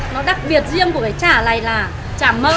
nó đặc biệt riêng của cái chả này là chả mỡ